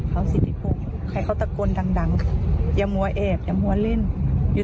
ก็บอกอยู่ครับแต่ยังให้พรเขาอยู่